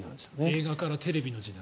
映画からテレビの時代。